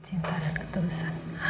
cinta dan ketulusan